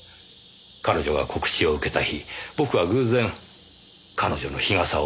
彼女が告知を受けた日僕は偶然彼女の日傘を見つけました。